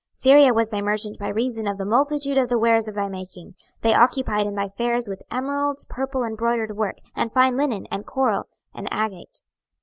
26:027:016 Syria was thy merchant by reason of the multitude of the wares of thy making: they occupied in thy fairs with emeralds, purple, and broidered work, and fine linen, and coral, and agate.